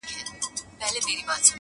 ته کم عقل ته کومول څومره ساده یې٫